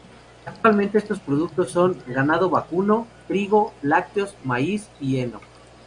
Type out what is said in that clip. Actualmente estos productos son: ganado vacuno, trigo, lácteos, maíz y heno.